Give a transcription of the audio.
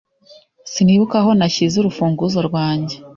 Sinibuka aho nashyize urufunguzo rwanjye.